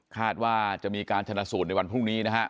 คาดว่าจะมีการชนะสูตรในวันพรุ่งนี้นะฮะ